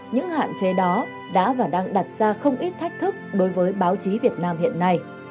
những hạn chế đó đã và đang đặt ra không ít thách thức đối với báo chí việt nam hiện nay